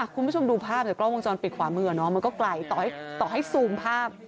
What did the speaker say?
คุณผู้ชมดูภาพจากกล้องวงจรปิดขวามือมันก็ไกลต่อให้ซูมภาพ